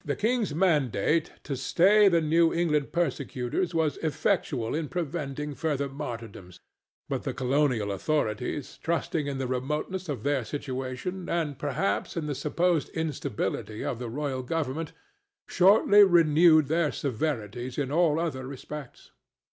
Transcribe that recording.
The king's mandate to stay the New England persecutors was effectual in preventing further martyrdoms, but the colonial authorities, trusting in the remoteness of their situation, and perhaps in the supposed instability of the royal government, shortly renewed their severities in all other respects.